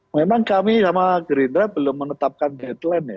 memang kami sama gerindra belum menetapkan deadline ya